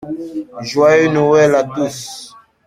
Joyeux Noël à tous!